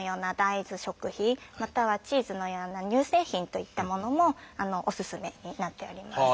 またはチーズのような乳製品といったものもおすすめになっております。